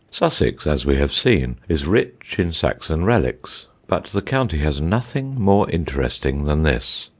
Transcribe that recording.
Sussex, as we have seen, is rich in Saxon relics, but the county has nothing more interesting than this.